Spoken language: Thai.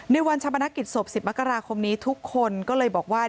ในวันชาปนกิจศพ๑๐มกราคมนี้ทุกคนก็เลยบอกว่า